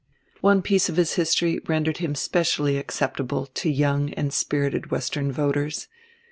One piece of his history rendered him specially acceptable to young and spirited Western voters.